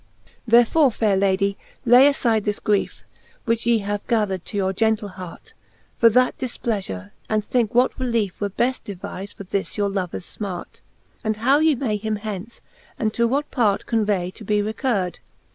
XLVl. Therefore, faire Lady, lay aiide this griefe. Which ye have gathered to your gentle hart. For that difpleafure; and thinke what reliefe Were befl devife for this your lovers fmart, And how ye may him hence, and to what part Convay to be recur'd.